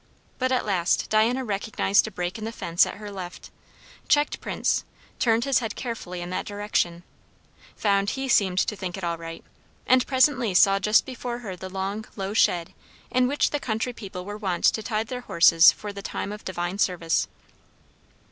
But at last Diana recognised a break in the fence at her left; checked Prince, turned his head carefully in that direction, found he seemed to think it all right, and presently saw just before her the long low shed in which the country people were wont to tie their horses for the time of divine service.